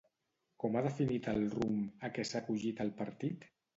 Com ha definit el rumb a què s'ha acollit el partit?